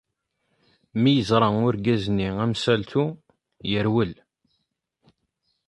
Mi yeẓra urgaz-nni amsaltu, yerwel.